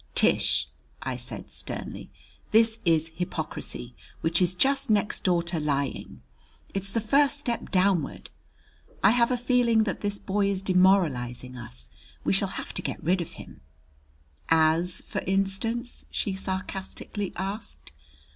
"Tish," I said sternly, "this is hypocrisy, which is just next door to lying. It's the first step downward. I have a feeling that this boy is demoralizing us! We shall have to get rid of him." "As for instance?" she sarcastically asked.